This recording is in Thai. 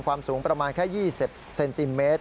สูงประมาณแค่๒๐เซนติเมตร